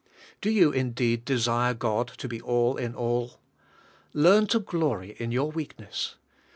Do you indeed desire God to be all in all? Learn to glory in your weakness.